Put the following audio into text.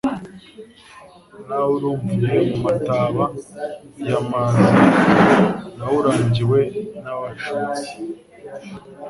Nawuramvuye mu mataba ya Maza nawurangiwe n,abashotsi